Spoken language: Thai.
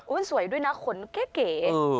มันสวยด้วยนะขนเก่ย